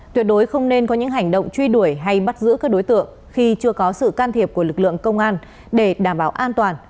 tuyệt đối không nên có những hành động truy đuổi hay bắt giữ các đối tượng khi chưa có sự can thiệp của lực lượng công an để đảm bảo an toàn